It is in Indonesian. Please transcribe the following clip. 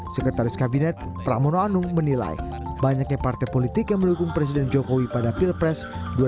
sekretaris kabinet pramono anung menilai banyaknya partai politik yang mendukung presiden jokowi pada pilpres dua ribu sembilan belas